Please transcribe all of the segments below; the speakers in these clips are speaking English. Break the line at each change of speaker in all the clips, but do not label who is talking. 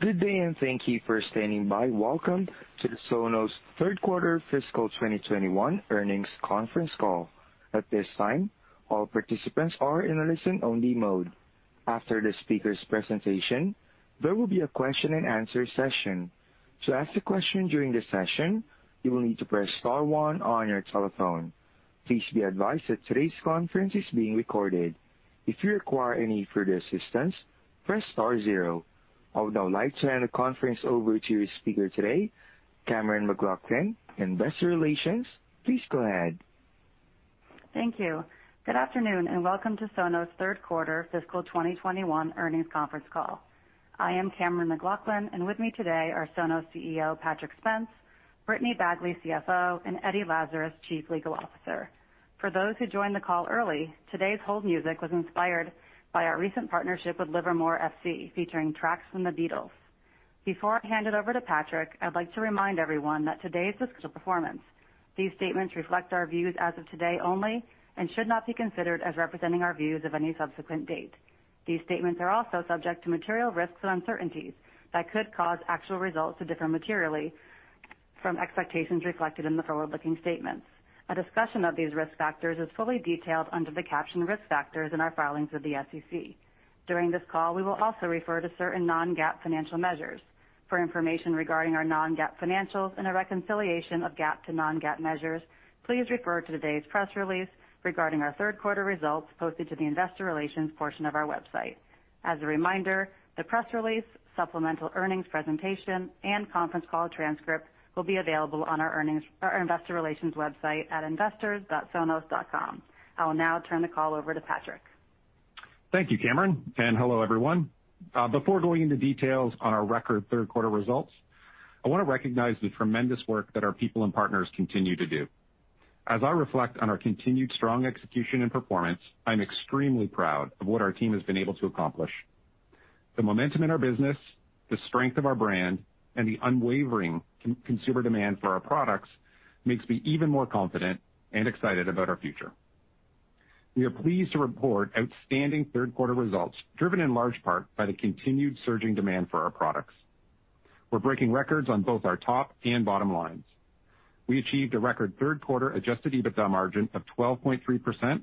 Good day, and thank you for standing by. Welcome to the Sonos third quarter fiscal 2021 earnings conference call. At this time, all participants are in a listen-only mode. After the speaker's presentation, there will be a question and answer session. To ask a question during the session, you will need to press star one on your telephone. Please be advised that today's conference is being recorded. If you require any further assistance, press star zero. I would now like to hand the conference over to your speaker today, Cammeron McLaughlin, Investor Relations. Please go ahead.
Thank you. Good afternoon, and welcome to Sonos' third-quarter fiscal 2021 earnings conference call. I am Cammeron McLaughlin, and with me today are Sonos CEO Patrick Spence, Brittany Bagley, CFO, and Eddie Lazarus, Chief Legal Officer. For those who joined the call early, today's hold music was inspired by our recent partnership with Liverpool FC, featuring tracks from The Beatles. Before I hand it over to Patrick, I'd like to remind everyone that today's fiscal performance. These statements reflect our views as of today only and should not be considered as representing our views of any subsequent date. These statements are also subject to material risks and uncertainties that could cause actual results to differ materially from expectations reflected in the forward-looking statements. A discussion of these risk factors is fully detailed under the caption Risk Factors in our filings with the SEC. During this call, we will also refer to certain non-GAAP financial measures. For information regarding our non-GAAP financials and a reconciliation of GAAP to non-GAAP measures, please refer to today's press release regarding our third quarter results posted to the investor relations portion of our website. As a reminder, the press release, supplemental earnings presentation, and conference call transcript will be available on our investor relations website at investors.sonos.com. I will now turn the call over to Patrick.
Thank you, Cammeron, and hello, everyone. Before going into details on our record third-quarter results, I want to recognize the tremendous work that our people and partners continue to do. As I reflect on our continued strong execution and performance, I'm extremely proud of what our team has been able to accomplish. The momentum in our business, the strength of our brand, and the unwavering consumer demand for our products makes me even more confident and excited about our future. We are pleased to report outstanding third-quarter results, driven in large part by the continued surging demand for our products. We're breaking records on both our top and bottom lines. We achieved a record third-quarter adjusted EBITDA margin of 12.3%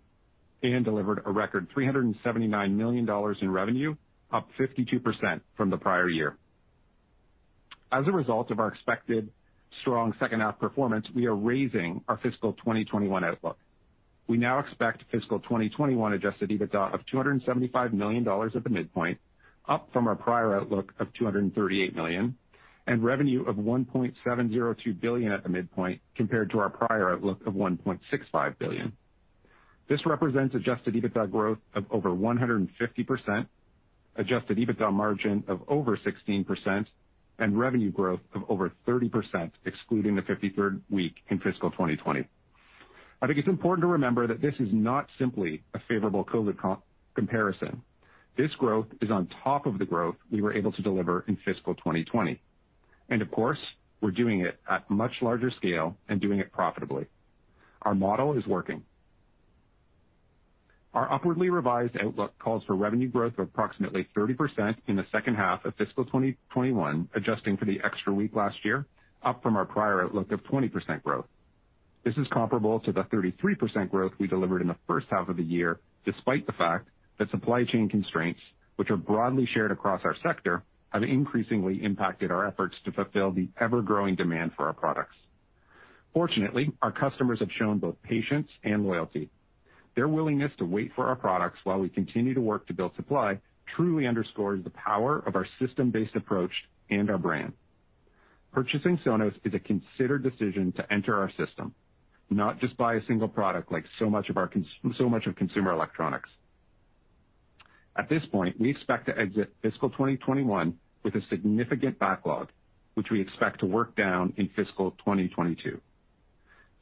and delivered a record $379 million in revenue, up 52% from the prior year. As a result of our expected strong second-half performance, we are raising our fiscal 2021 outlook. We now expect fiscal 2021 adjusted EBITDA of $275 million at the midpoint, up from our prior outlook of $238 million, and revenue of $1.702 billion at the midpoint, compared to our prior outlook of $1.65 billion. This represents adjusted EBITDA growth of over 150%, adjusted EBITDA margin of over 16%, and revenue growth of over 30%, excluding the 53rd week in fiscal 2020. I think it's important to remember that this is not simply a favorable COVID comparison. This growth is on top of the growth we were able to deliver in fiscal 2020. Of course, we're doing it at much larger scale and doing it profitably. Our model is working. Our upwardly revised outlook calls for revenue growth of approximately 30% in the second half of fiscal 2021. Adjusting for the extra week last year, up from our prior outlook of 20% growth. This is comparable to the 33% growth we delivered in the first half of the year, despite the fact that supply chain constraints, which are broadly shared across our sector, have increasingly impacted our efforts to fulfill the ever-growing demand for our products. Fortunately, our customers have shown both patience and loyalty. Their willingness to wait for our products while we continue to work to build supply truly underscores the power of our system-based approach and our brand. Purchasing Sonos is a considered decision to enter our system, not just buy a single product like so much of consumer electronics. At this point, we expect to exit fiscal 2021 with a significant backlog, which we expect to work down in fiscal 2022.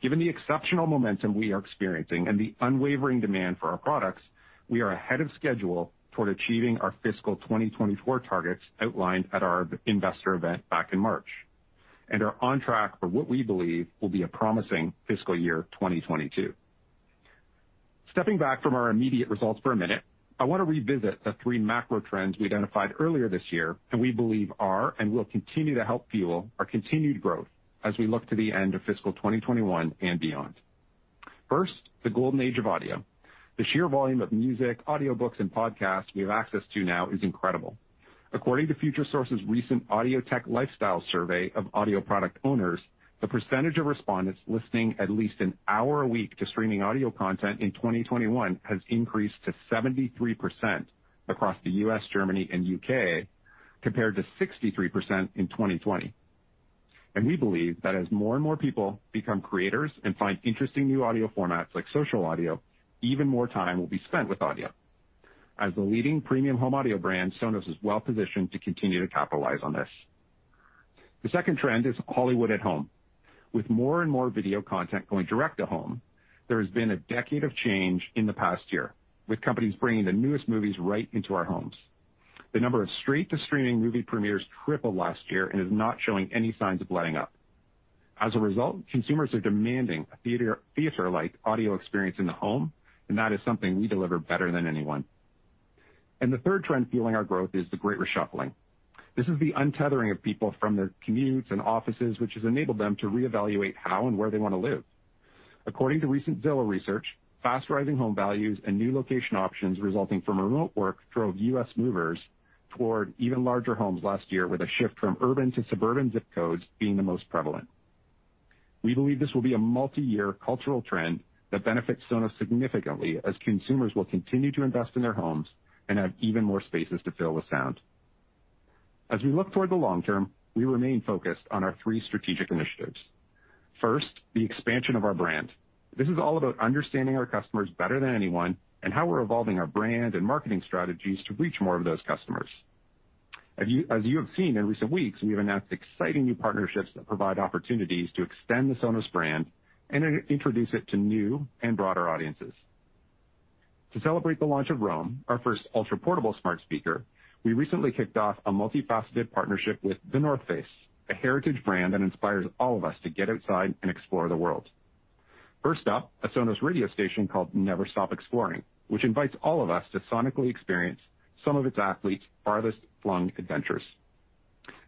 Given the exceptional momentum we are experiencing and the unwavering demand for our products, we are ahead of schedule toward achieving our fiscal 2024 targets outlined at our investor event back in March and are on track for what we believe will be a promising fiscal year 2022. Stepping back from our immediate results for a minute, I want to revisit the three macro trends we identified earlier this year and we believe are and will continue to help fuel our continued growth as we look to the end of fiscal 2021 and beyond. First, the golden age of audio. The sheer volume of music, audiobooks, and podcasts we have access to now is incredible. According to Futuresource's recent audio tech lifestyle survey of audio product owners, the percentage of respondents listening at least an hour a week to streaming audio content in 2021 has increased to 73% across the U.S., Germany, and U.K., compared to 63% in 2020. We believe that as more and more people become creators and find interesting new audio formats like social audio, even more time will be spent with audio. As the leading premium home audio brand, Sonos is well-positioned to continue to capitalize on this. The second trend is Hollywood at home. With more and more video content going direct to home, there has been a decade of change in the past year, with companies bringing the newest movies right into our homes. The number of straight-to-streaming movie premieres tripled last year and is not showing any signs of letting up. As a result, consumers are demanding a theater-like audio experience in the home, and that is something we deliver better than anyone. The third trend fueling our growth is the great reshuffling. This is the untethering of people from their commutes and offices, which has enabled them to reevaluate how and where they want to live. According to recent Zillow research, fast-rising home values and new location options resulting from remote work drove U.S. movers toward even larger homes last year, with a shift from urban to suburban zip codes being the most prevalent. We believe this will be a multi-year cultural trend that benefits Sonos significantly as consumers will continue to invest in their homes and have even more spaces to fill with sound. As we look toward the long term, we remain focused on our three strategic initiatives. First, the expansion of our brand. This is all about understanding our customers better than anyone and how we're evolving our brand and marketing strategies to reach more of those customers. As you have seen in recent weeks, we have announced exciting new partnerships that provide opportunities to extend the Sonos brand and introduce it to new and broader audiences. To celebrate the launch of Roam, our first ultraportable smart speaker, we recently kicked off a multifaceted partnership with The North Face, a heritage brand that inspires all of us to get outside and explore the world. First up, a Sonos Radio station called Never Stop Exploring, which invites all of us to sonically experience some of its athletes' farthest flung adventures.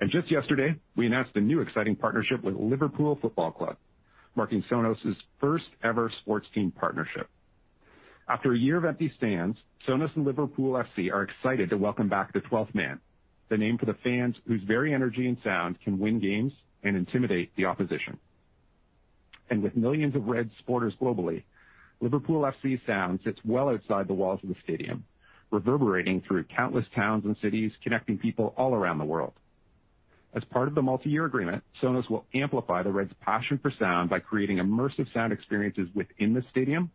Just yesterday, we announced a new exciting partnership with Liverpool Football Club, marking Sonos' first-ever sports team partnership. After a year of empty stands, Sonos and Liverpool FC are excited to welcome back the 12th man, the name for the fans whose very energy and sound can win games and intimidate the opposition. With millions of Reds supporters globally, Liverpool FC sound sits well outside the walls of the stadium, reverberating through countless towns and cities, connecting people all around the world. As part of the multi-year agreement, Sonos will amplify the Reds' passion for sound by creating immersive sound experiences within the stadium,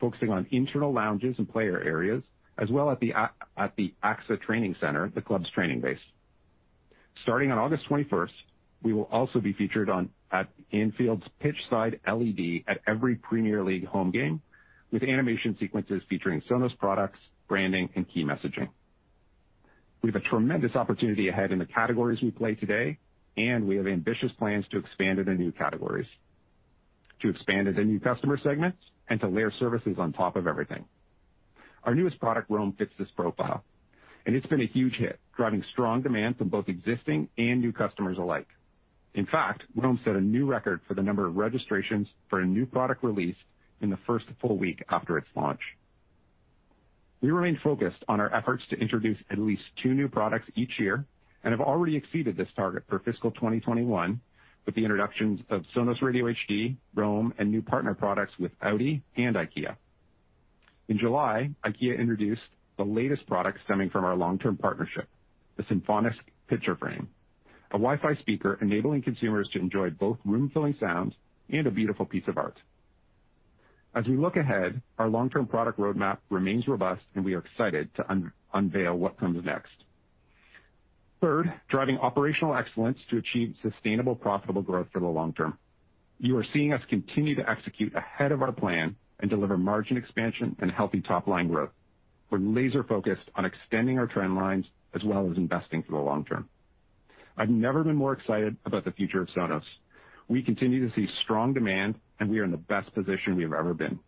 focusing on internal lounges and player areas, as well at the AXA Training Center, the club's training base. Starting on August 21st, we will also be featured at Anfield's pitch-side LED at every Premier League home game, with animation sequences featuring Sonos products, branding, and key messaging. We have a tremendous opportunity ahead in the categories we play today, and we have ambitious plans to expand into new categories, to expand into new customer segments, and to layer services on top of everything. Our newest product, Roam, fits this profile, and it's been a huge hit, driving strong demand from both existing and new customers alike. In fact, Roam set a new record for the number of registrations for a new product release in the first full week after its launch. We remain focused on our efforts to introduce at least two new products each year and have already exceeded this target for fiscal 2021 with the introductions of Sonos Radio HD, Roam, and new partner products with Audi and IKEA. In July, IKEA introduced the latest product stemming from our long-term partnership, the SYMFONISK picture frame, a Wi-Fi speaker enabling consumers to enjoy both room-filling sound and a beautiful piece of art. As we look ahead, our long-term product roadmap remains robust, and we are excited to unveil what comes next. Third, driving operational excellence to achieve sustainable, profitable growth for the long term. You are seeing us continue to execute ahead of our plan and deliver margin expansion and healthy top-line growth. We're laser-focused on extending our trend lines as well as investing for the long term. I've never been more excited about the future of Sonos. We continue to see strong demand, and we are in the best position we have ever been.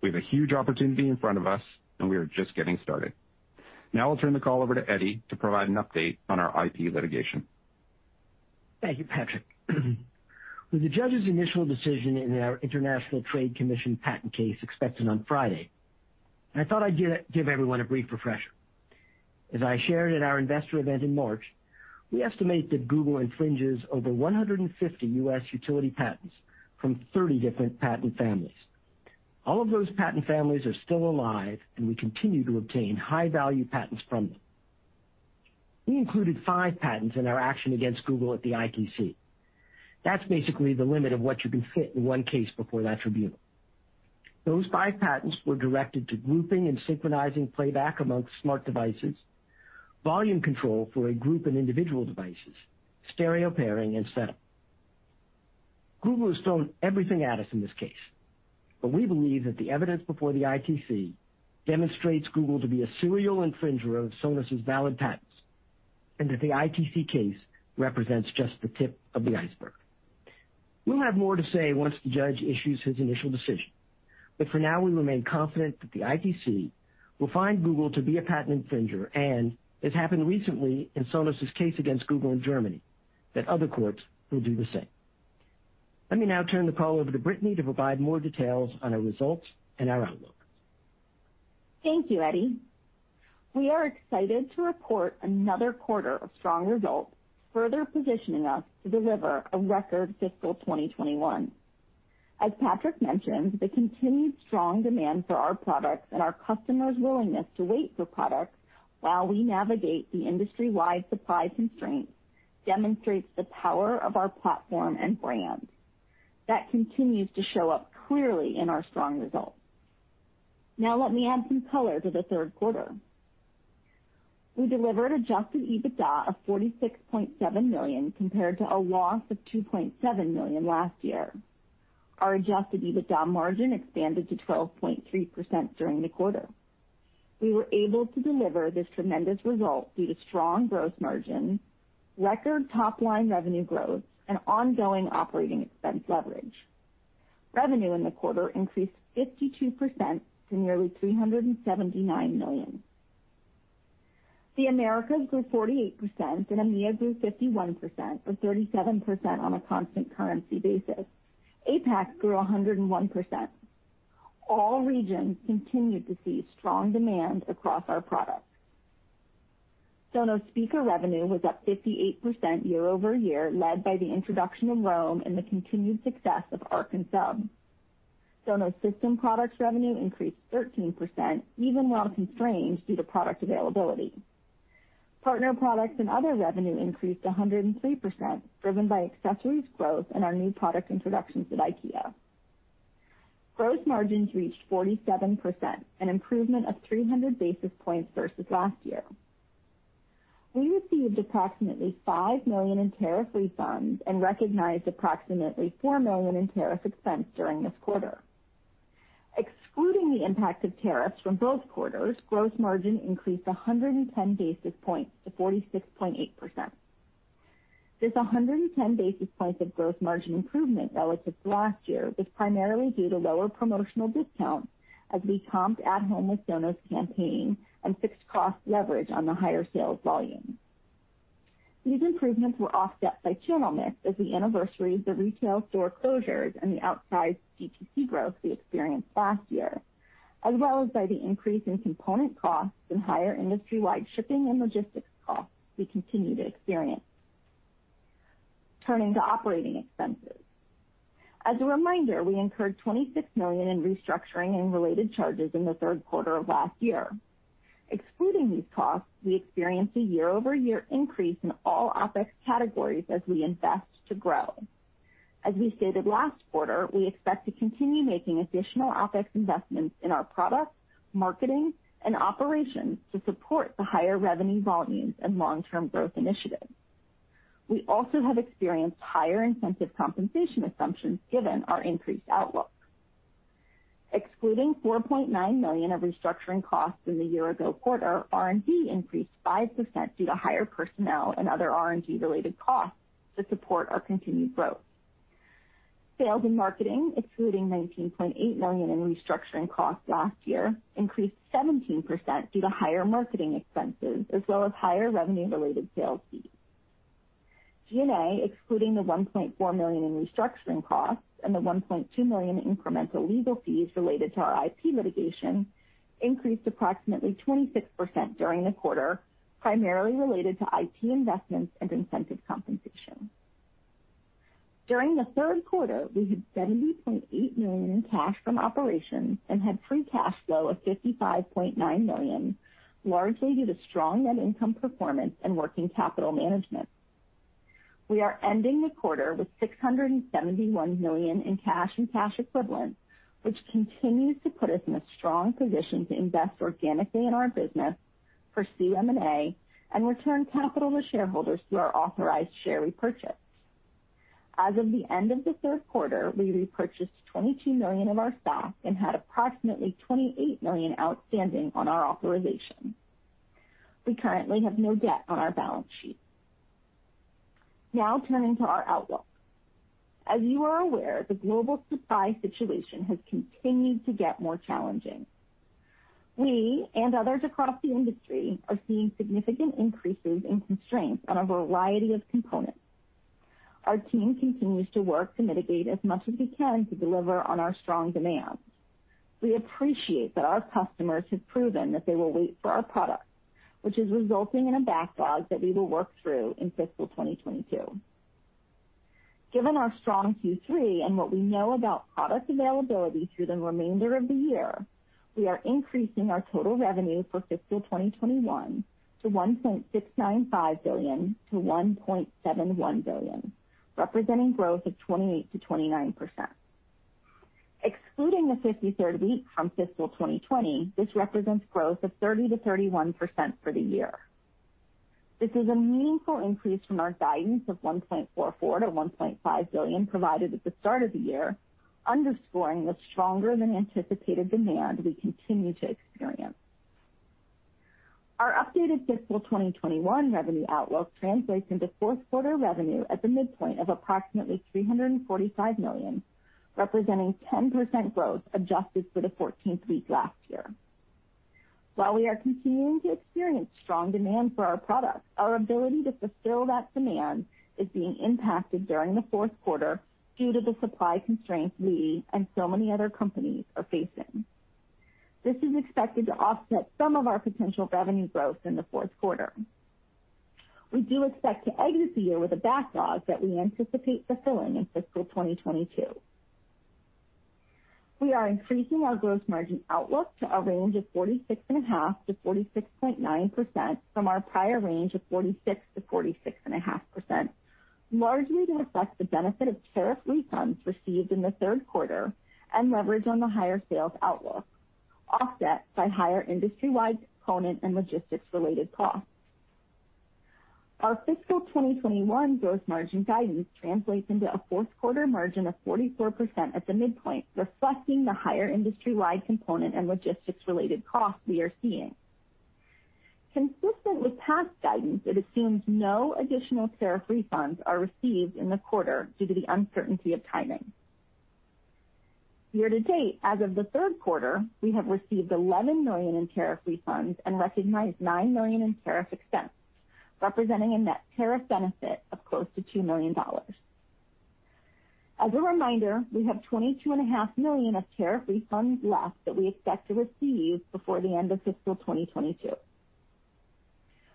We have a huge opportunity in front of us, and we are just getting started. Now I'll turn the call over to Eddie to provide an update on our IP litigation.
Thank you, Patrick. With the judge's initial decision in our International Trade Commission patent case expected on Friday, I thought I'd give everyone a brief refresher. As I shared at our investor event in March, we estimate that Google infringes over 150 U.S. utility patents from 30 different patent families. All of those patent families are still alive, and we continue to obtain high-value patents from them. We included five patents in our action against Google at the ITC. That's basically the limit of what you can fit in one case before that tribunal. Those five patents were directed to grouping and synchronizing playback amongst smart devices, volume control for a group and individual devices, stereo pairing, and setup. Google has thrown everything at us in this case, we believe that the evidence before the ITC demonstrates Google to be a serial infringer of Sonos' valid patents and that the ITC case represents just the tip of the iceberg. We'll have more to say once the judge issues his initial decision, but for now, we remain confident that the ITC will find Google to be a patent infringer and, as happened recently in Sonos' case against Google in Germany, that other courts will do the same. Let me now turn the call over to Brittany to provide more details on our results and our outlook.
Thank you, Eddie. We are excited to report another quarter of strong results, further positioning us to deliver a record fiscal 2021. As Patrick mentioned, the continued strong demand for our products and our customers' willingness to wait for products while we navigate the industry-wide supply constraints demonstrates the power of our platform and brand. That continues to show up clearly in our strong results. Now let me add some color to the third quarter. We delivered adjusted EBITDA of $46.7 million compared to a loss of $2.7 million last year. Our adjusted EBITDA margin expanded to 12.3% during the quarter. We were able to deliver this tremendous result due to strong gross margin, record top-line revenue growth, and ongoing OpEx leverage. Revenue in the quarter increased 52% to nearly $379 million. The Americas grew 48%, and EMEA grew 51%, or 37% on a constant currency basis. APAC grew 101%. All regions continued to see strong demand across our products. Sonos speaker revenue was up 58% year-over-year, led by the introduction of Roam and the continued success of Arc and Sub. Sonos system products revenue increased 13%, even while constrained due to product availability. Partner products and other revenue increased 103%, driven by accessories growth and our new product introductions at IKEA. Gross margins reached 47%, an improvement of 300 basis points versus last year. We received approximately $5 million in tariff refunds and recognized approximately $4 million in tariff expense during this quarter. Excluding the impact of tariffs from both quarters, gross margin increased 110 basis points to 46.8%. This 110 basis points of gross margin improvement relative to last year was primarily due to lower promotional discounts as we comped At Home with Sonos campaign and fixed cost leverage on the higher sales volume. These improvements were offset by channel mix as we anniversary the retail store closures and the outsized DTC growth we experienced last year, as well as by the increase in component costs and higher industry-wide shipping and logistics costs we continue to experience. Turning to operating expenses. As a reminder, we incurred $26 million in restructuring and related charges in the third quarter of last year. Excluding these costs, we experienced a year-over-year increase in all OpEx categories as we invest to grow. As we stated last quarter, we expect to continue making additional OpEx investments in our products, marketing, and operations to support the higher revenue volumes and long-term growth initiatives. We also have experienced higher incentive compensation assumptions given our increased outlook. Excluding $4.9 million of restructuring costs in the year-ago quarter, R&D increased 5% due to higher personnel and other R&D-related costs to support our continued growth. Sales and marketing, excluding $19.8 million in restructuring costs last year, increased 17% due to higher marketing expenses as well as higher revenue-related sales fees. G&A, excluding the $1.4 million in restructuring costs and the $1.2 million in incremental legal fees related to our IP litigation, increased approximately 26% during the quarter, primarily related to IP investments and incentive compensation. During the third quarter, we had $70.8 million in cash from operations and had free cash flow of $55.9 million, largely due to strong net income performance and working capital management. We are ending the quarter with $671 million in cash and cash equivalents, which continues to put us in a strong position to invest organically in our business, pursue M&A, and return capital to shareholders through our authorized share repurchase. As of the end of the third quarter, we repurchased $22 million of our stock and had approximately $28 million outstanding on our authorization. We currently have no debt on our balance sheet. Turning to our outlook. As you are aware, the global supply situation has continued to get more challenging. We and others across the industry are seeing significant increases in constraints on a variety of components. Our team continues to work to mitigate as much as we can to deliver on our strong demand. We appreciate that our customers have proven that they will wait for our products, which is resulting in a backlog that we will work through in fiscal 2022. Given our strong Q3 and what we know about product availability through the remainder of the year, we are increasing our total revenue for fiscal 2021 to $1.695 billion-$1.71 billion, representing growth of 28%-29%. Excluding the 53rd week from fiscal 2020, this represents growth of 30%-31% for the year. This is a meaningful increase from our guidance of $1.44 billion-$1.5 billion provided at the start of the year, underscoring the stronger than anticipated demand we continue to experience. Our updated fiscal 2021 revenue outlook translates into fourth quarter revenue at the midpoint of approximately $345 million, representing 10% growth adjusted for the 14th week last year. While we are continuing to experience strong demand for our products, our ability to fulfill that demand is being impacted during the fourth quarter due to the supply constraints we and so many other companies are facing. This is expected to offset some of our potential revenue growth in the fourth quarter. We do expect to exit the year with a backlog that we anticipate fulfilling in fiscal 2022. We are increasing our gross margin outlook to a range of 46.5%-46.9% from our prior range of 46%-46.5%, largely to reflect the benefit of tariff refunds received in the third quarter and leverage on the higher sales outlook, offset by higher industry-wide component and logistics-related costs. Our fiscal 2021 gross margin guidance translates into a fourth quarter margin of 44% at the midpoint, reflecting the higher industry-wide component and logistics-related costs we are seeing. Consistent with past guidance, it assumes no additional tariff refunds are received in the quarter due to the uncertainty of timing. Year to date, as of the third quarter, we have received $11 million in tariff refunds and recognized $9 million in tariff expense, representing a net tariff benefit of close to $2 million. As a reminder, we have $22.5 million of tariff refunds left that we expect to receive before the end of fiscal 2022.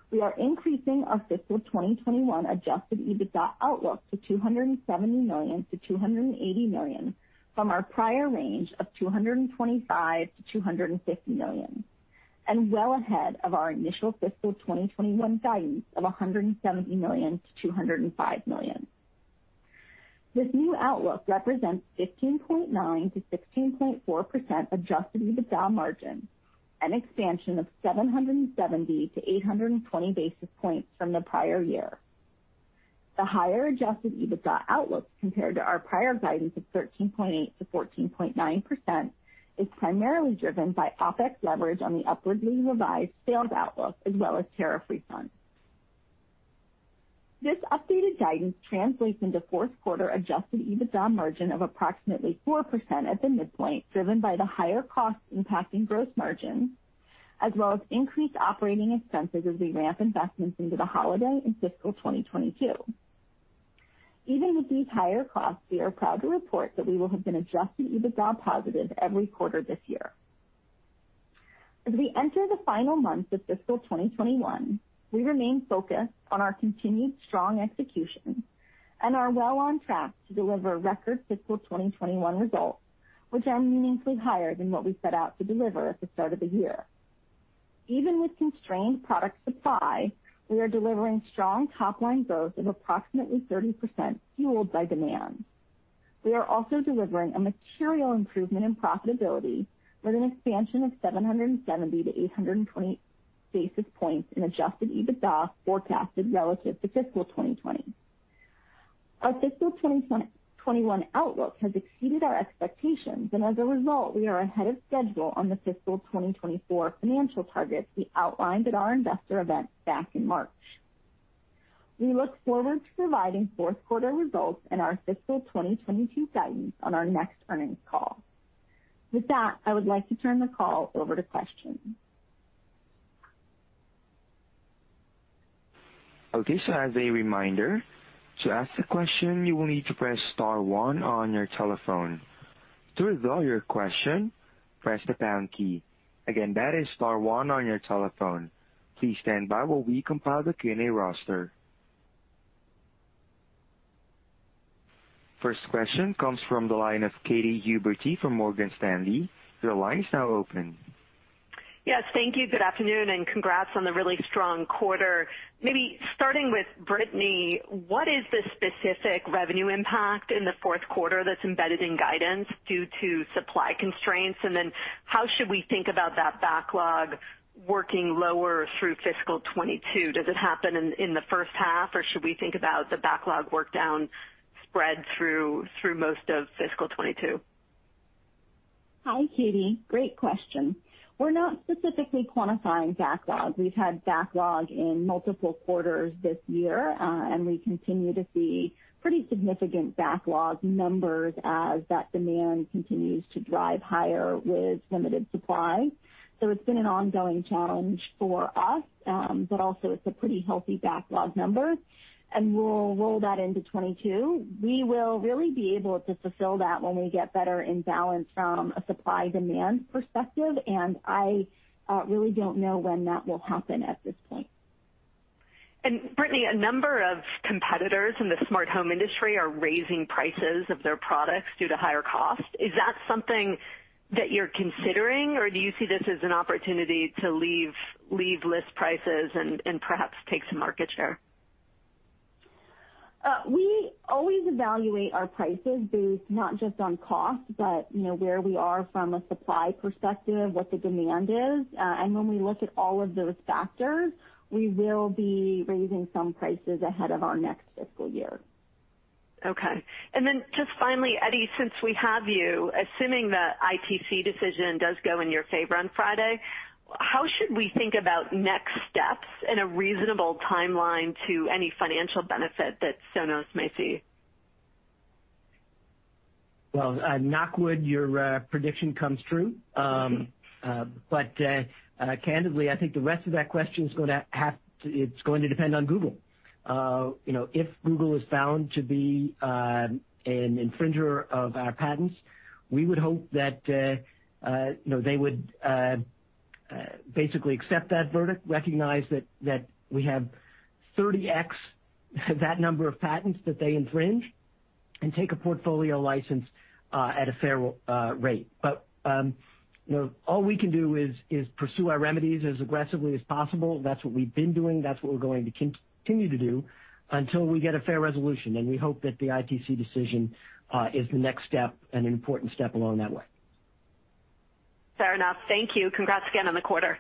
We are increasing our fiscal 2021 adjusted EBITDA outlook to $270 million-$280 million from our prior range of $225 million-$250 million, and well ahead of our initial fiscal 2021 guidance of $170 million-$205 million. This new outlook represents 15.9%-16.4% adjusted EBITDA margin, an expansion of 770- 820 basis points from the prior year. The higher adjusted EBITDA outlook compared to our prior guidance of 13.8%-14.9% is primarily driven by OpEx leverage on the upwardly revised sales outlook, as well as tariff refunds. This updated guidance translates into fourth quarter adjusted EBITDA margin of approximately 4% at the midpoint, driven by the higher costs impacting gross margin, as well as increased operating expenses as we ramp investments into the holiday in fiscal 2022. Even with these higher costs, we are proud to report that we will have been adjusted EBITDA positive every quarter this year. As we enter the final months of fiscal 2021, we remain focused on our continued strong execution and are well on track to deliver record fiscal 2021 results, which are meaningfully higher than what we set out to deliver at the start of the year. Even with constrained product supply, we are delivering strong top-line growth of approximately 30%, fueled by demand. We are also delivering a material improvement in profitability with an expansion of 770-820 basis points in adjusted EBITDA forecasted relative to fiscal 2020. Our fiscal 2021 outlook has exceeded our expectations, and as a result, we are ahead of schedule on the fiscal 2024 financial targets we outlined at our investor event back in March. We look forward to providing fourth quarter results and our fiscal 2022 guidance on our next earnings call. With that, I would like to turn the call over to questions.
As a reminder, to ask a question, you will need to press *1 on your telephone. To withdraw your question, press the # key. Again, that is *1 on your telephone. Please stand by while we compile the Q&A roster. First question comes from the line of Katy Huberty from Morgan Stanley. Your line is now open.
Yes, thank you. Good afternoon, congrats on the really strong quarter. Maybe starting with Brittany, what is the specific revenue impact in the fourth quarter that's embedded in guidance due to supply constraints? How should we think about that backlog working lower through fiscal 2022? Does it happen in the first half, or should we think about the backlog work down spread through most of fiscal 2022?
Hi, Katy. Great question. We're not specifically quantifying backlog. We've had backlog in multiple quarters this year, and we continue to see pretty significant backlog numbers as that demand continues to drive higher with limited supply. It's been an ongoing challenge for us, but also it's a pretty healthy backlog number, and we'll roll that into 2022. We will really be able to fulfill that when we get better in balance from a supply-demand perspective, and I really don't know when that will happen at this point.
Brittany, a number of competitors in the smart home industry are raising prices of their products due to higher cost. Is that something that you're considering, or do you see this as an opportunity to leave list prices and perhaps take some market share?
We always evaluate our prices based not just on cost, but where we are from a supply perspective, what the demand is. When we look at all of those factors, we will be raising some prices ahead of our next fiscal year.
Okay. Just finally, Eddie, since we have you, assuming the ITC decision does go in your favor on Friday, how should we think about next steps and a reasonable timeline to any financial benefit that Sonos may see?
Well, knock wood, your prediction comes true. Candidly, I think the rest of that question is going to depend on Google. If Google is found to be an infringer of our patents, we would hope that they would basically accept that verdict, recognize that we have 30x that number of patents that they infringe, and take a portfolio license at a fair rate. All we can do is pursue our remedies as aggressively as possible. That's what we've been doing. That's what we're going to continue to do until we get a fair resolution, and we hope that the ITC decision is the next step and an important step along that way.
Fair enough. Thank you. Congrats again on the quarter.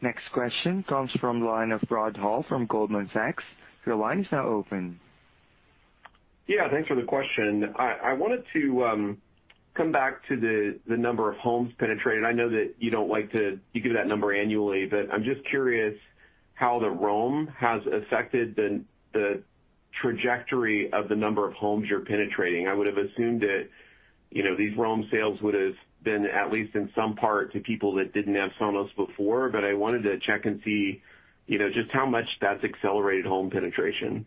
Next question comes from the line of Rod Hall from Goldman Sachs. Your line is now open.
Yeah, thanks for the question. I wanted to come back to the number of homes penetrated. I know that you give that number annually, but I'm just curious how the Roam has affected the trajectory of the number of homes you're penetrating. I would have assumed that these Roam sales would have been, at least in some part, to people that didn't have Sonos before, but I wanted to check and see just how much that's accelerated home penetration.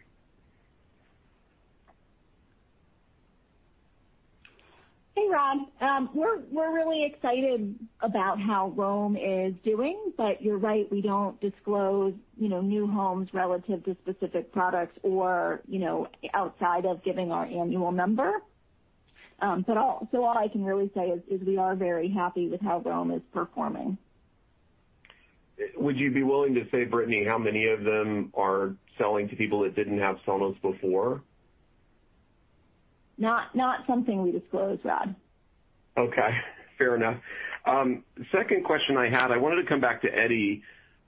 Hey, Rod. We're really excited about how Roam is doing, but you're right, we don't disclose new homes relative to specific products or outside of giving our annual number. All I can really say is we are very happy with how Roam is performing.
Would you be willing to say, Brittany, how many of them are selling to people that didn't have Sonos before?
Not something we disclose, Rod.
Okay, fair enough. Second question I had, I wanted to come back to Eddie.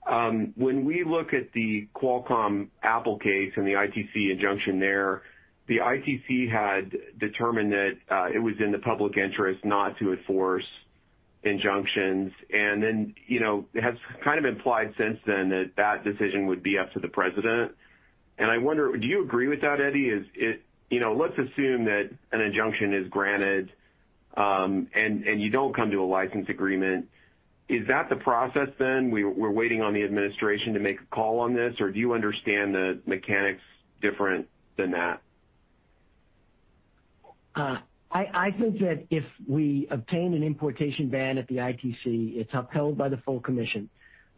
When we look at the Qualcomm-Apple case and the ITC injunction there, the ITC had determined that it was in the public interest not to enforce injunctions, and then it has kind of implied since then that decision would be up to the president. I wonder, do you agree with that, Eddie? Let's assume that an injunction is granted, and you don't come to a license agreement. Is that the process then? We're waiting on the administration to make a call on this, or do you understand the mechanics different than that?
I think that if we obtain an importation ban at the ITC, it's upheld by the full commission,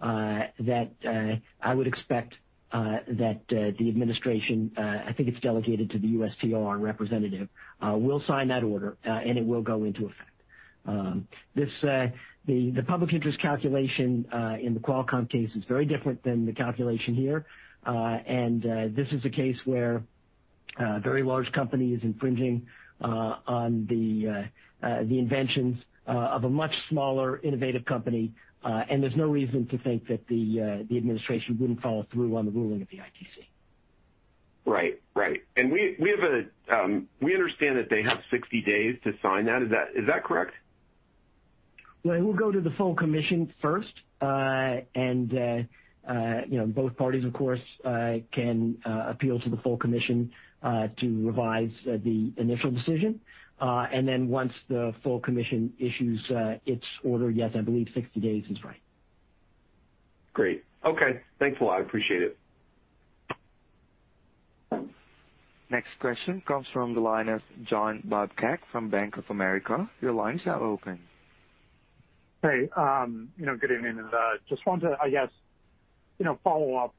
that I would expect that the administration, I think it's delegated to the USTR representative, will sign that order, and it will go into effect. The public interest calculation in the Qualcomm case is very different than the calculation here. This is a case where a very large company is infringing on the inventions of a much smaller, innovative company, and there's no reason to think that the administration wouldn't follow through on the ruling of the ITC.
Right. We understand that they have 60 days to sign that. Is that correct?
Well, it will go to the full commission first, and both parties, of course, can appeal to the full commission to revise the initial decision. Once the full commission issues its order, yes, I believe 60 days is right.
Great. Okay. Thanks a lot. I appreciate it.
Next question comes from the line of John Babcock from Bank of America. Your line is now open.
Hey, good evening. Just wanted to, I guess, follow up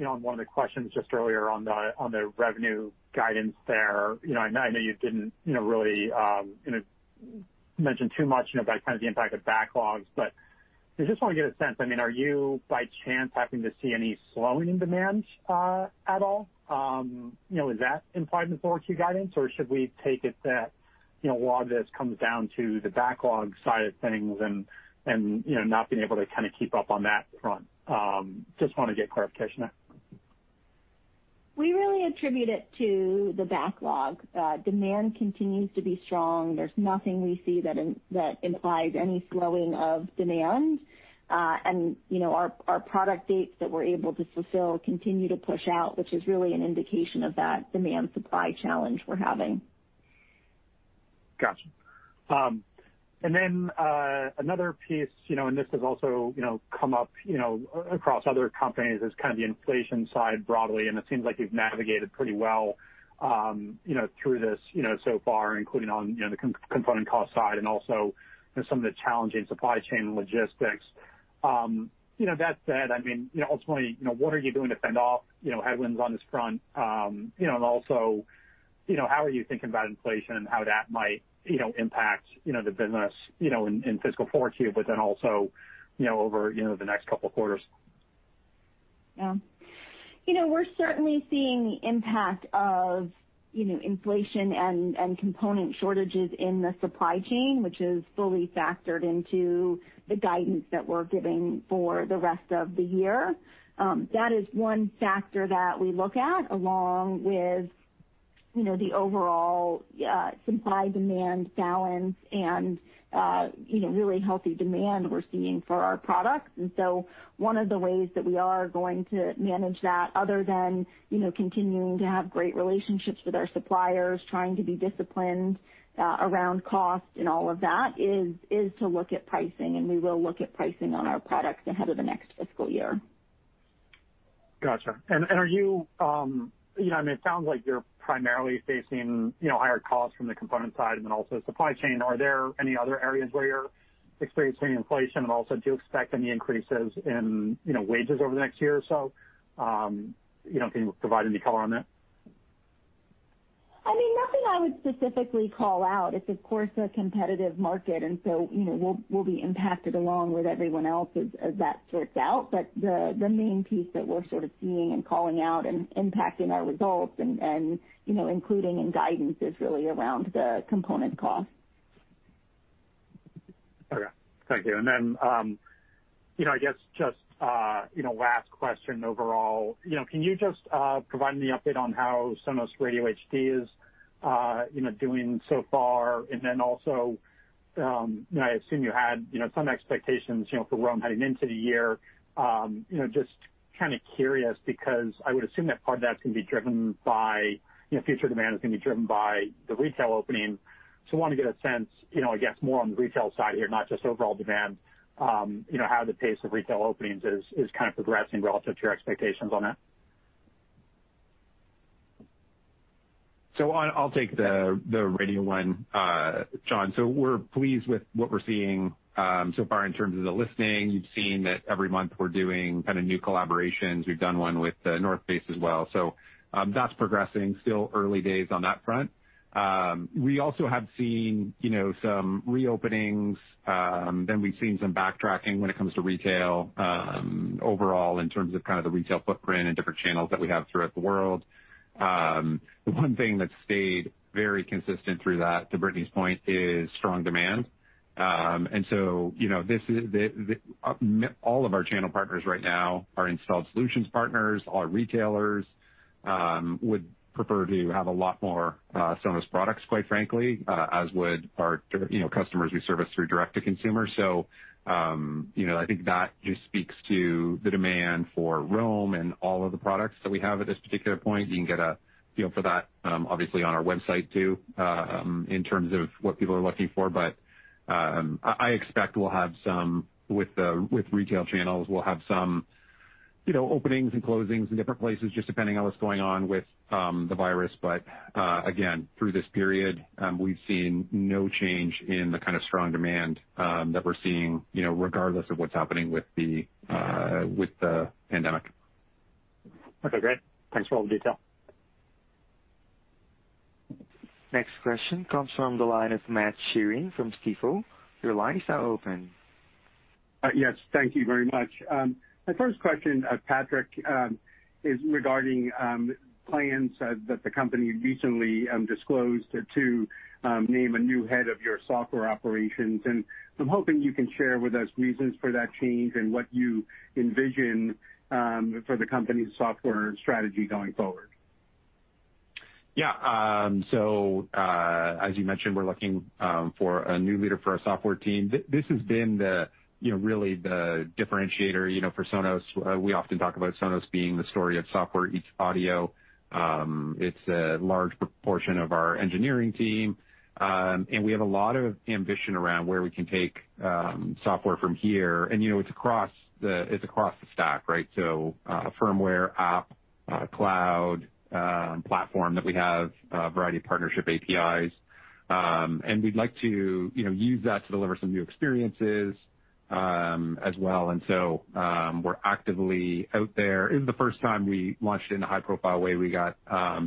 on one of the questions just earlier on the revenue guidance there. I know you didn't really mention too much about kind of the impact of backlogs, but I just want to get a sense. Are you by chance happening to see any slowing in demand at all? Is that implied in the forward Q guidance, or should we take it that a lot of this comes down to the backlog side of things and not being able to kind of keep up on that front? Just want to get clarification there.
We really attribute it to the backlog. Demand continues to be strong. There's nothing we see that implies any slowing of demand. Our product dates that we're able to fulfill continue to push out, which is really an indication of that demand-supply challenge we're having.
Got you. Another piece, and this has also come up across other companies, is kind of the inflation side broadly, and it seems like you've navigated pretty well through this so far, including on the component cost side and also some of the challenging supply chain logistics. That said, ultimately, what are you doing to fend off headwinds on this front? How are you thinking about inflation and how that might impact the business in fiscal forward Q, also over the next couple of quarters?
We're certainly seeing the impact of inflation and component shortages in the supply chain, which is fully factored into the guidance that we're giving for the rest of the year. That is one factor that we look at, along with the overall supply-demand balance and really healthy demand we're seeing for our products. One of the ways that we are going to manage that, other than continuing to have great relationships with our suppliers, trying to be disciplined around cost and all of that, is to look at pricing, and we will look at pricing on our products ahead of the next fiscal year.
Got you. It sounds like you're primarily facing higher costs from the component side and then also supply chain. Are there any other areas where you're experiencing inflation? Do you expect any increases in wages over the next year or so? Can you provide any color on that?
Nothing I would specifically call out. It's, of course, a competitive market, we'll be impacted along with everyone else as that sorts out. The main piece that we're sort of seeing and calling out and impacting our results and including in guidance is really around the component cost.
Okay. Thank you. I guess just last question overall. Can you just provide me an update on how Sonos Radio HD is doing so far? I assume you had some expectations for where Roam heading into the year. Just kind of curious, I would assume that part of that's going to be driven by future demand is going to be driven by the retail opening. Want to get a sense, I guess, more on the retail side here, not just overall demand, how the pace of retail openings is kind of progressing relative to your expectations on that.
I'll take the Radio one, John. We're pleased with what we're seeing so far in terms of the listening. You've seen that every month we're doing kind of new collaborations. We've done one with The North Face as well. That's progressing. Still early days on that front. We also have seen some reopenings. We've seen some backtracking when it comes to retail overall in terms of the retail footprint and different channels that we have throughout the world. The one thing that's stayed very consistent through that, to Brittany's point, is strong demand. All of our channel partners right now, our installed solutions partners, all our retailers, would prefer to have a lot more Sonos products, quite frankly, as would our customers we service through direct-to-consumer. I think that just speaks to the demand for Roam and all of the products that we have at this particular point. You can get a feel for that, obviously, on our website too, in terms of what people are looking for. I expect with retail channels, we'll have some openings and closings in different places, just depending on what's going on with the virus. Again, through this period, we've seen no change in the kind of strong demand that we're seeing, regardless of what's happening with the pandemic.
Okay, great. Thanks for all the detail.
Next question comes from the line of Matt Sheerin from Stifel. Your line is now open.
Yes, thank you very much. My first question, Patrick, is regarding plans that the company recently disclosed to name a new head of your software operations, and I'm hoping you can share with us reasons for that change and what you envision for the company's software strategy going forward.
Yeah. As you mentioned, we're looking for a new leader for our software team. This has been really the differentiator for Sonos. We often talk about Sonos being the story of software eats audio. It's a large proportion of our engineering team, and we have a lot of ambition around where we can take software from here, and it's across the stack, right? Firmware, app, cloud platform that we have, a variety of partnership APIs. We'd like to use that to deliver some new experiences as well. We're actively out there. It is the first time we launched in a high-profile way. We got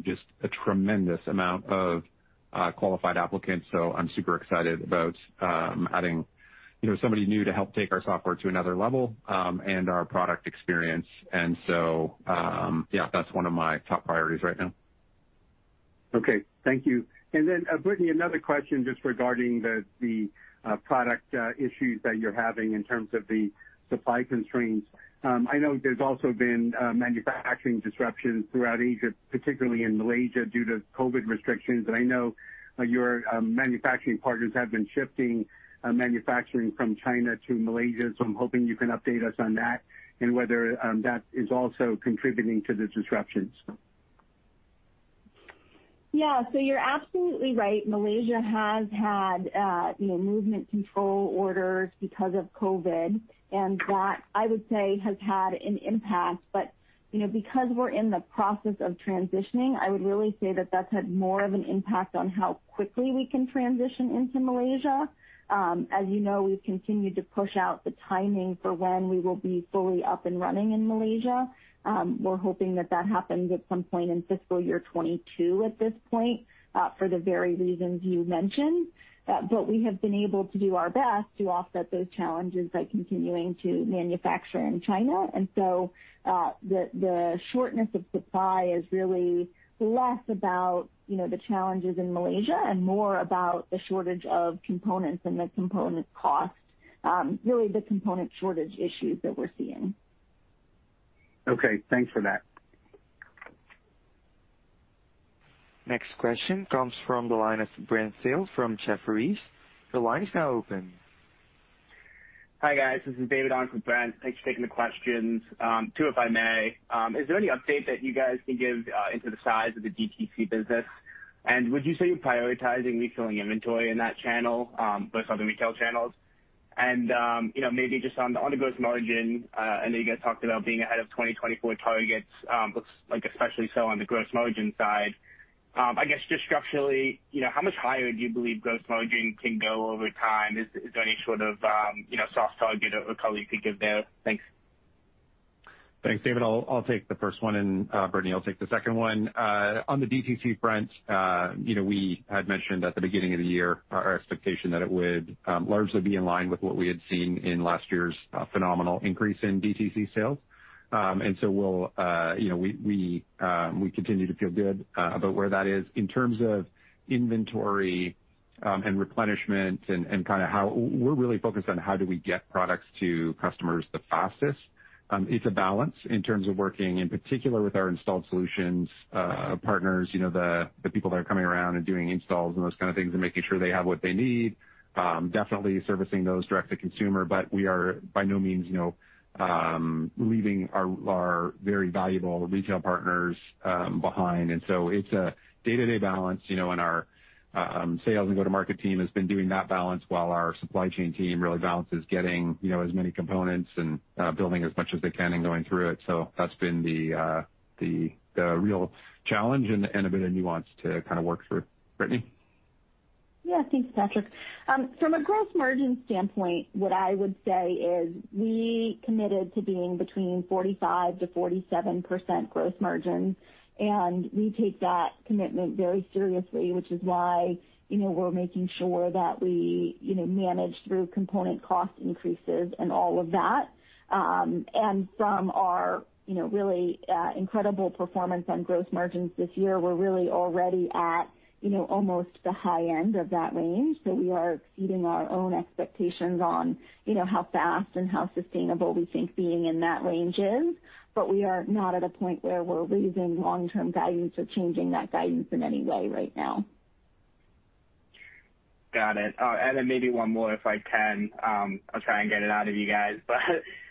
just a tremendous amount of qualified applicants, so I'm super excited about adding somebody new to help take our software to another level, and our product experience. Yeah, that's one of my top priorities right now.
Okay. Thank you. Brittany, another question just regarding the product issues that you're having in terms of the supply constraints. I know there's also been manufacturing disruptions throughout Asia, particularly in Malaysia due to COVID restrictions, and I know your manufacturing partners have been shifting manufacturing from China to Malaysia, so I'm hoping you can update us on that and whether that is also contributing to the disruptions.
Yeah. You're absolutely right. Malaysia has had movement control orders because of COVID, and that, I would say, has had an impact. Because we're in the process of transitioning, I would really say that that's had more of an impact on how quickly we can transition into Malaysia. As you know, we've continued to push out the timing for when we will be fully up and running in Malaysia. We're hoping that that happens at some point in fiscal year 2022 at this point, for the very reasons you mentioned. We have been able to do our best to offset those challenges by continuing to manufacture in China. The shortness of supply is really less about the challenges in Malaysia and more about the shortage of components and the component cost. Really the component shortage issues that we're seeing.
Okay. Thanks for that.
Next question comes from the line of Brent Thill from Jefferies. Your line is now open.
Hi, guys. This is David on for Brent. Thanks for taking the questions. Two, if I may. Is there any update that you guys can give into the size of the DTC business? Would you say you're prioritizing refilling inventory in that channel versus other retail channels? Maybe just on the gross margin, I know you guys talked about being ahead of 2024 targets. Looks like especially so on the gross margin side. I guess just structurally, how much higher do you believe gross margin can go over time? Is there any sort of soft target or color you could give there? Thanks.
Thanks, David. I'll take the first one. Brittany will take the second one. On the DTC front, we had mentioned at the beginning of the year our expectation that it would largely be in line with what we had seen in last year's phenomenal increase in DTC sales. We continue to feel good about where that is. In terms of inventory and replenishment and we're really focused on how do we get products to customers the fastest. It's a balance in terms of working, in particular, with our installed solutions partners, the people that are coming around and doing installs and those kind of things, and making sure they have what they need. Definitely servicing those direct-to-consumer. We are by no means leaving our very valuable retail partners behind. It's a day-to-day balance, and our sales and go-to market team has been doing that balance while our supply chain team really balances getting as many components and building as much as they can and going through it. That's been the real challenge and a bit of nuance to work through. Brittany?
Yeah. Thanks, Patrick. From a gross margin standpoint, what I would say is we committed to being between 45%-47% gross margin. We take that commitment very seriously, which is why we're making sure that we manage through component cost increases and all of that. From our really incredible performance on gross margins this year, we're really already at almost the high end of that range. We are exceeding our own expectations on how fast and how sustainable we think being in that range is. We are not at a point where we're raising long-term guidance or changing that guidance in any way right now.
Got it. Maybe one more if I can. I'll try and get it out of you guys, but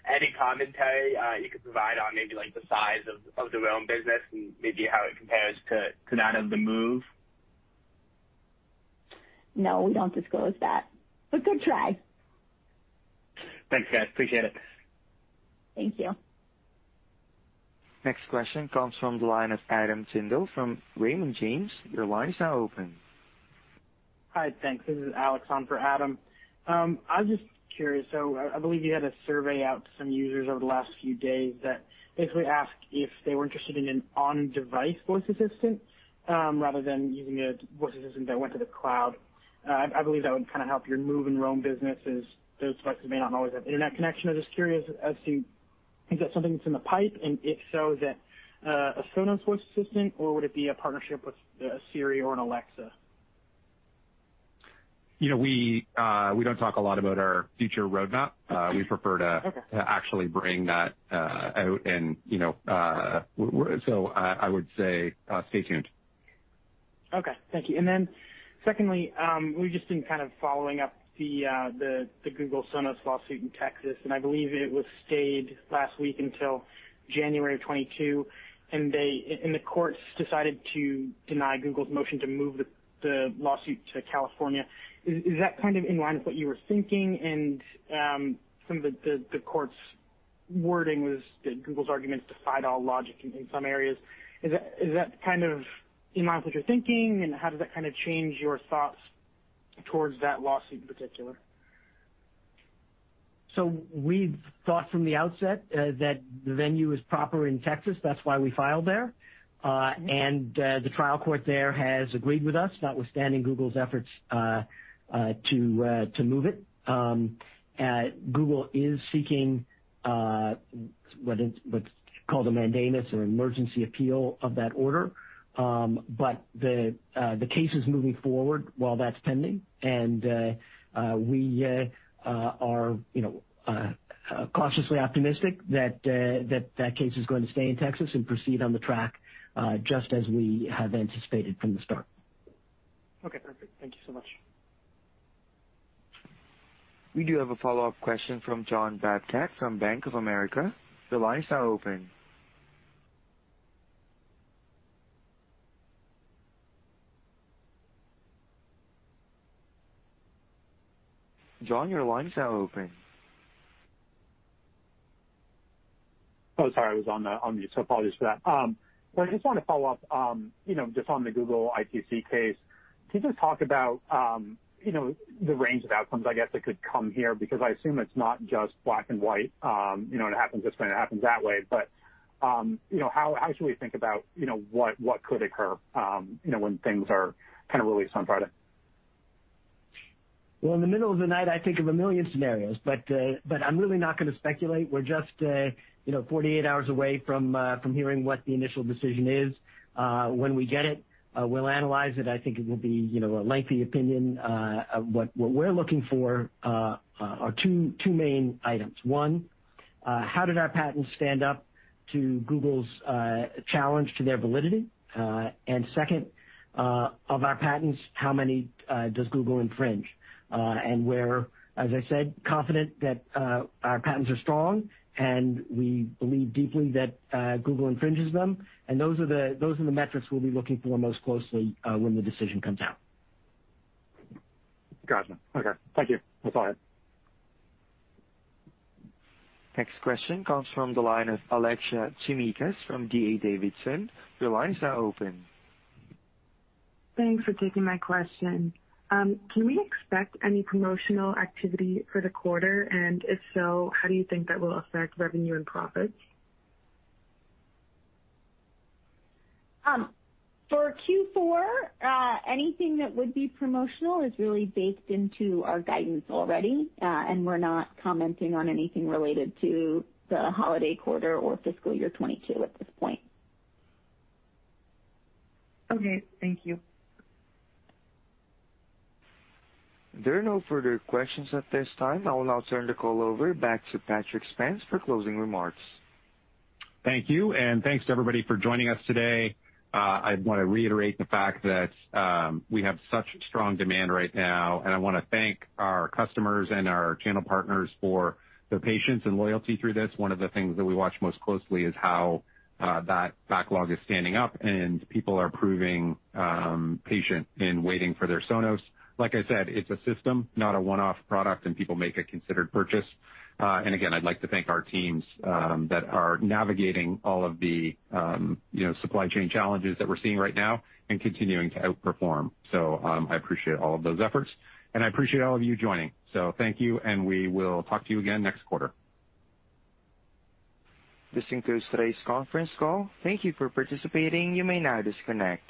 any commentary you could provide on maybe the size of the Roam business and maybe how it compares to that of the Move?
No, we don't disclose that, but good try.
Thanks, guys. Appreciate it.
Thank you.
Next question comes from the line of Adam Tindle from Raymond James. Your line is now open.
Hi, thanks. This is Alex on for Adam. I was just curious, I believe you had a survey out to some users over the last few days that basically asked if they were interested in an on-device voice assistant rather than using a voice assistant that went to the cloud. I believe that would kind of help your Move and Roam businesses. Those devices may not always have internet connection. I'm just curious as to, is that something that's in the pipe, and if so, is it a Sonos voice assistant, or would it be a partnership with a Siri or an Alexa?
We don't talk a lot about our future roadmap
Okay.
We prefer to actually bring that out and so I would say stay tuned.
Okay, thank you. Secondly, we've just been kind of following up the Google-Sonos lawsuit in Texas, and I believe it was stayed last week until January of 2022, and the courts decided to deny Google's motion to move the lawsuit to California. Is that kind of in line with what you were thinking? Some of the court's wording was that Google's arguments defied all logic in some areas. Is that in line with what you're thinking, and how does that change your thoughts towards that lawsuit in particular?
We've thought from the outset that the venue is proper in Texas. That's why we filed there. The trial court there has agreed with us, notwithstanding Google's efforts to move it. Google is seeking what's called a mandamus or emergency appeal of that order. The case is moving forward while that's pending, and we are cautiously optimistic that that case is going to stay in Texas and proceed on the track just as we have anticipated from the start.
Okay, perfect. Thank you so much.
We do have a follow-up question from John Babcock from Bank of America.
Oh, sorry, I was on mute, apologies for that. I just want to follow up, just on the Google ITC case. Can you just talk about the range of outcomes, I guess, that could come here? I assume it's not just black and white, and it happens this way and it happens that way. How should we think about what could occur when things are released on Friday?
Well, in the middle of the night, I think of a million scenarios, but I'm really not going to speculate. We're just 48 hours away from hearing what the initial decision is. When we get it, we'll analyze it. I think it will be a lengthy opinion. What we're looking for are two main items. 1, how did our patents stand up to Google's challenge to their validity? Second, of our patents, how many does Google infringe? We're, as I said, confident that our patents are strong, and we believe deeply that Google infringes them, and those are the metrics we'll be looking for most closely when the decision comes out.
Gotcha. Okay. Thank you. That's all I had.
Next question comes from the line of Alexia Tsimikas from D.A. Davidson. Your line is now open.
Thanks for taking my question. Can we expect any promotional activity for the quarter? If so, how do you think that will affect revenue and profits?
For Q4, anything that would be promotional is really baked into our guidance already. We're not commenting on anything related to the holiday quarter or fiscal year 2022 at this point. Okay.
Thank you.
There are no further questions at this time. I will now turn the call over back to Patrick Spence for closing remarks.
Thank you, and thanks to everybody for joining us today. I want to reiterate the fact that we have such strong demand right now, and I want to thank our customers and our channel partners for their patience and loyalty through this. One of the things that we watch most closely is how that backlog is standing up, and people are proving patient in waiting for their Sonos. Like I said, it's a system, not a one-off product, and people make a considered purchase. Again, I'd like to thank our teams that are navigating all of the supply chain challenges that we're seeing right now and continuing to outperform. I appreciate all of those efforts, and I appreciate all of you joining. Thank you, and we will talk to you again next quarter.
This concludes today's conference call. Thank you for participating. You may now disconnect.